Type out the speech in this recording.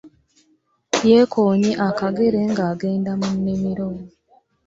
Yeekoonye akagere ng'agenda mu nnimiro.